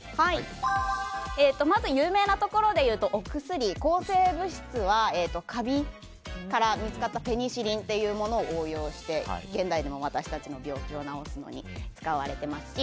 まず有名なところで言うとお薬抗生物質は、カビから見つかったペニシリンというものを応用して現代でも私たちの病気を治すのに使われていますし